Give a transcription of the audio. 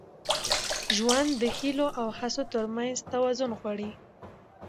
ژوند د هیلو او هڅو تر منځ توازن غواړي.